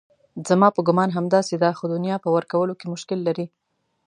زما په ګومان همداسې ده خو دنیا په ورکولو کې مشکل لري.